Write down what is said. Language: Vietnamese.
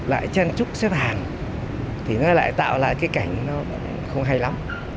lại chăn trúc xếp hàng thì nó lại tạo lại cái cảnh không hay lắm